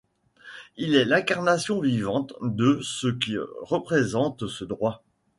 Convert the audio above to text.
Il est l’incarnation vivante de ce que représente ce droit.